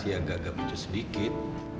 dia agak agak pucet sedikit